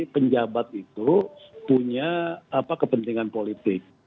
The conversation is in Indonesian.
penjabat itu punya kepentingan politik